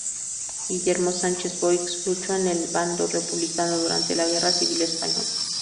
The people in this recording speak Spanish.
Guillermo Sánchez Boix luchó en el bando republicano durante la Guerra Civil Española.